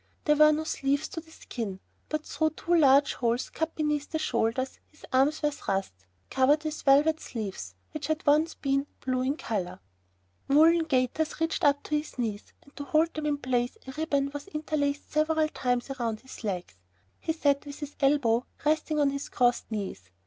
There were no sleeves to the skin, but through two large holes, cut beneath the shoulders, his arms were thrust, covered with velvet sleeves which had once been blue in color. Woolen gaiters reached up to his knees, and to hold them in place a ribbon was interlaced several times round his legs. He sat with his elbow resting on his crossed knees.